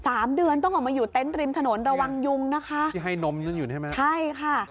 สามเดือนต้องออกมาอยู่เต็นต์ริมถนนระวังยุงนะคะที่ให้นมนั่นอยู่ใช่ไหมใช่ค่ะ